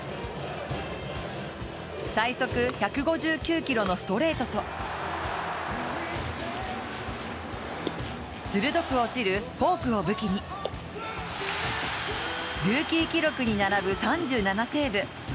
最速１５９キロのストレートと鋭く落ちるフォークを武器にルーキー記録に並ぶ３７セーブ。